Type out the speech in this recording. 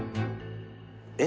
「え？」